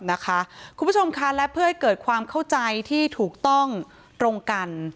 คุณผู้ชมค่ะและเพื่อให้เกิดความเข้าใจที่ถูกต้องตรงกัน